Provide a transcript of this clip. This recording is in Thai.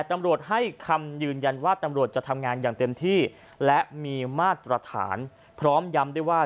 ตำรวจให้คำยืนยันว่าตำรวจจะทำงานอย่างเต็มที่และมีมาตรฐานพร้อมย้ำด้วยว่า